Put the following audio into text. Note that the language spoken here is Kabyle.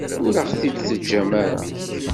Ur aɣ-t-id-teǧǧam ara.